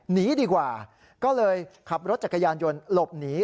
หนีดีกว่าก็เลยขับรถจักรยานยนต์หลบหนี